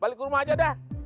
balik ke rumah aja dah